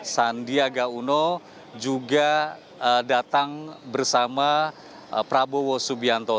sandiaga uno juga datang bersama prabowo subianto